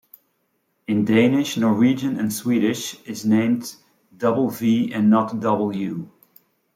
In Danish, Norwegian and Swedish, is named double-v and not double-u.